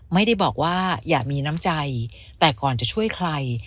ไม่ได้บอกว่าอย่ามีน้ำใจแต่ก่อนจะช่วยใคร